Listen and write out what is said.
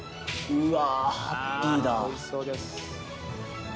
うわ。